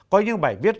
có những bài viết